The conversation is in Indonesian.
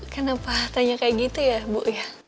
kenapa tanya kayak gitu ya bu